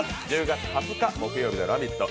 １０月２０日木曜日の「ラヴィット！」